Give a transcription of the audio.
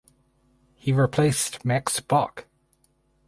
He replaced Max Bock.